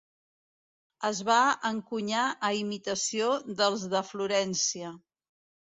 Es va encunyar a imitació dels de Florència.